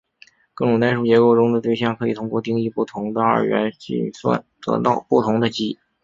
各种代数结构中的对象可以通过定义不同的二元运算得到不同的积。